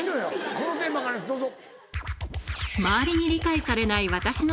このテーマからですどうぞ。